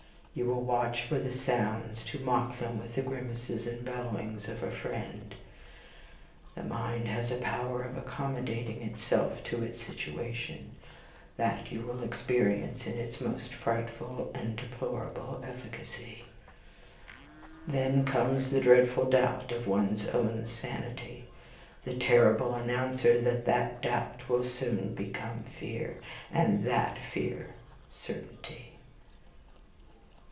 You will watch for the sounds, to mock them with the grimaces and bellowings of a fiend. The mind has a power of accommodating itself to its situation, that you will experience in its most frightful and deplorable efficacy. Then comes the dreadful doubt of one's own sanity, the terrible announcer that THAT doubt will soon become fear, and THAT fear certainty.